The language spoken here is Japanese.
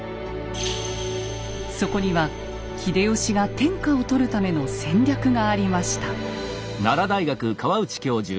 そこには秀吉が天下を取るための戦略がありました。